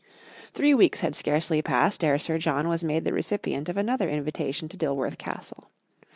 Three weeks had scarcely passed ere Sir John was made the recipient of another invitation to Dilworth Castle.